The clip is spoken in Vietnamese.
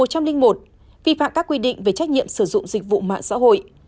điều một trăm linh một vi phạm các quy định về trách nhiệm sử dụng dịch vụ mạng xã hội